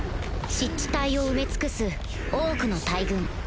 湿地帯を埋め尽くすオークの大軍